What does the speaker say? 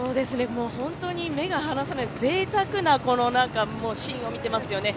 本当に目が離せない、ぜいたくなシーンを見ていますよね。